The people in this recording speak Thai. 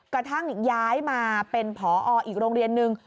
กระทั่งย้ายมาเป็นผออีกโรงเรียนนึง